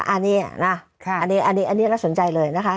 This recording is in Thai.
อันนี้นะอันนี้น่าสนใจเลยนะคะ